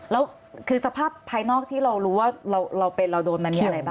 แล้วคือสภาพภายนอกที่เรารู้ว่าเราเป็นเราโดนมันมีอะไรบ้าง